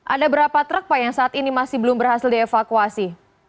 ada berapa truk pak yang saat ini masih belum berhasil dievakuasi